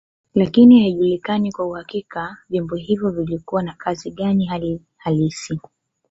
Lakini haijulikani kwa uhakika vyombo hivyo vilikuwa na kazi gani hali halisi.